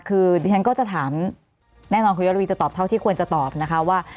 คือดิฉันก็จะถามแน่นอนคุณยระวีจะตอบเท่าที่ควรจะตอบนะคะว่า